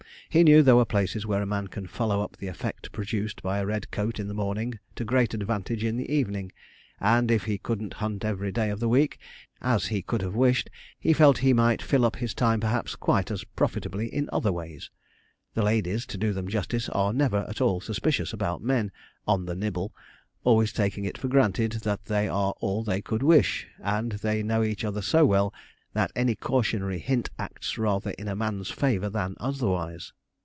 He knew there were places where a man can follow up the effect produced by a red coat in the morning to great advantage in the evening; and if he couldn't hunt every day in the week, as he could have wished, he felt he might fill up his time perhaps quite as profitably in other ways. The ladies, to do them justice, are never at all suspicious about men on the 'nibble' always taking it for granted, they are 'all they could wish,' and they know each other so well, that any cautionary hint acts rather in a man's favour than otherwise.